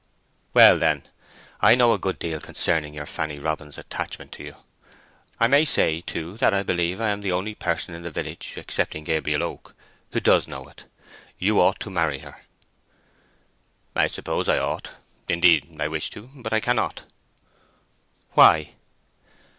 "Well then—I know a good deal concerning your Fanny Robin's attachment to you. I may say, too, that I believe I am the only person in the village, excepting Gabriel Oak, who does know it. You ought to marry her." "I suppose I ought. Indeed, I wish to, but I cannot." "Why?"